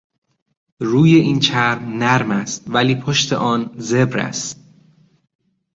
روی این چرم نرم است ولی پشت آن زبر است.